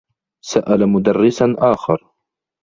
سأل مدرّسا آخر.